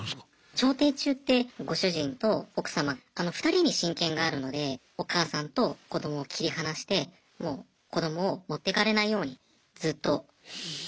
調停中ってご主人と奥様２人に親権があるのでお母さんと子どもを切り離してもう子どもを持ってかれないようにずっと警護してくれと。